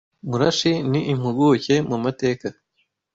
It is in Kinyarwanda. Murashi ni impuguke mu mateka